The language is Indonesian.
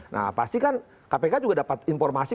nah pasti kan kpk juga dapat informasi